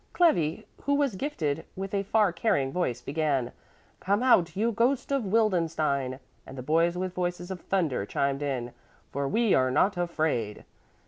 Clevi, who was gifted with a far carrying voice, began: "Come out, you ghost of Wildenstein!" And the boys with voices of thunder chimed in: "For we are not afraid."